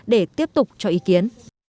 để tiếp tục cho ý kiến